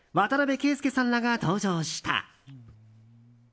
渡邊圭祐さんらが登場した。